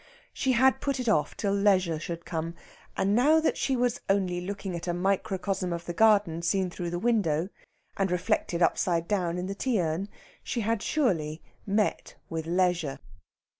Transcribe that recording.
She had put it off till leisure should come; and now that she was only looking at a microcosm of the garden seen through the window, and reflected upside down in the tea urn, she had surely met with leisure.